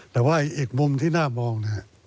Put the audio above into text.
แต่ว่าอีกมุมที่หน้ามอง